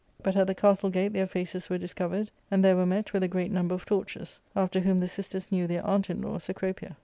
But at the castle gate £ieir faces were discovered, and there were met with a great umber of torches,* after whom the sisters knew their aunt in Lw, Cecropia.